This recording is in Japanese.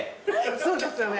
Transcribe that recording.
そうですよね